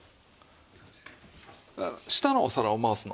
下のお皿を回すの。